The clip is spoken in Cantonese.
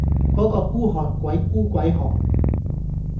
果個孤寒鬼孤鬼寒